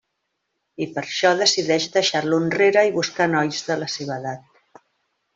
I per això decideix deixar-lo enrere i buscar nois de la seva edat.